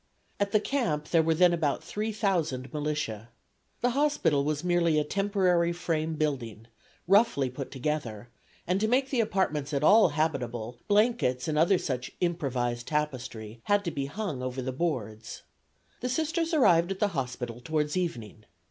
At the camp there were then about three thousand militia. The hospital was merely a temporary frame building, roughly put together, and to make the apartments at all habitable blankets and other such improvised tapestry had to be hung over the boards. The Sisters arrived at the hospital towards evening.